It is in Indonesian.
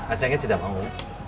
acehnya tidak mau